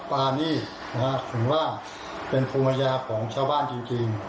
ปลานี่ถึงว่าเป็นภูมิยาของเช่าบ้านจริง